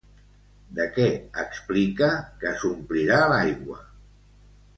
De què explica que s'omplirà l'aigua?